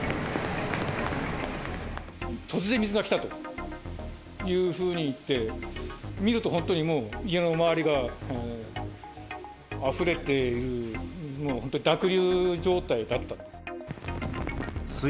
突然水が来たというふうに言って、見ると、本当にもう家の周りがあふれているのを、本当に濁流状態だったんです。